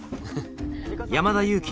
山田裕貴